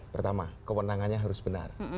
pertama kewenangannya harus benar